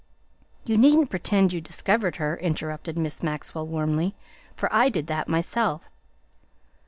"You needn't pretend you discovered her," interrupted Miss Maxwell warmly, "for I did that myself."